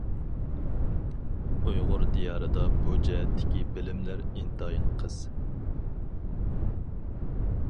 ئۇيغۇر دىيارىدا بۇ جەھەتتىكى بىلىملەر ئىنتايىن قىس.